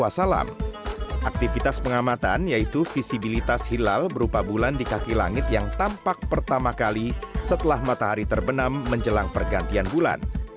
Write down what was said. aktivitas pengamatan yaitu visibilitas hilal berupa bulan di kaki langit yang tampak pertama kali setelah matahari terbenam menjelang pergantian bulan